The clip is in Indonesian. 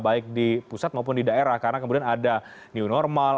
baik di pusat maupun di daerah karena kemudian ada new normal